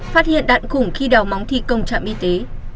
phát hiện đạn khủng khi đào móng thi công trạm y tế